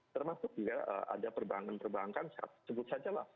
termasuk juga ada perbankan perbankan sebut saja lah